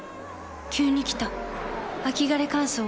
急に来た秋枯れ乾燥。